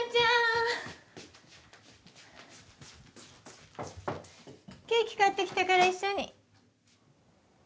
コンコンケーキ買ってきたから一緒に。